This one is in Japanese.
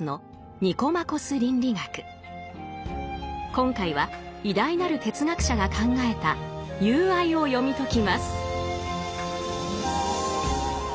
今回は偉大なる哲学者が考えた「友愛」を読み解きます。